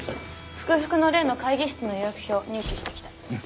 福々の例の会議室の予約表入手してきた。